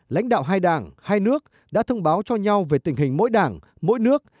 lãnh đạo hai đảng hai nước đã thông báo cho nhau về tình hình mỗi đảng mỗi nước